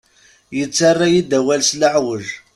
Yettarra-yi-d awal s leɛweǧ.